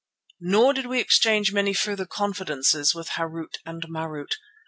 Nor did we exchange many further confidences with Harût and Marût.